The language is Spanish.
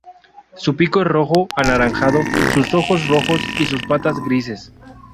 Su pico es rojo anaranjado, sus ojos rojos y sus patas grises.